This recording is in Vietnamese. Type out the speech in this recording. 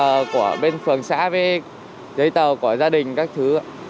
tờ của bên phường xã giấy tờ của gia đình các thứ ạ